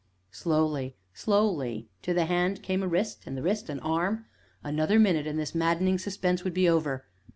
Slowly, slowly, to the hand came a wrist, and to the wrist an arm another minute, and this maddening suspense would be over.